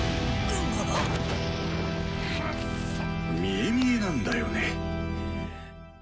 見え見えなんだよね。